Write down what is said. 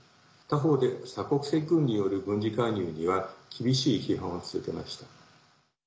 他方で、多国籍軍による軍事介入には厳しい批判を続けました。